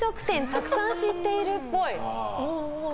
たくさん知っているっぽい。